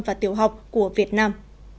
và tiểu học của việt nam